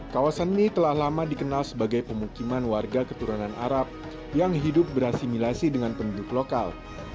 kawasan ini telah lama dikenal sebagai pemukiman warga keturunan arab yang hidup berasimilasi dengan penduduk lokal